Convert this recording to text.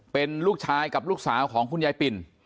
เป็นลูกชายกับลูกสาวของคุณยายปิ่น